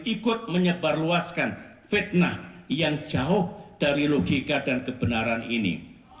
ikut menyebarluaskan fitnah yang jauh dari logika dan kebenaran ini